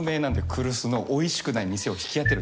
来栖のおいしくない店を引き当てる能力。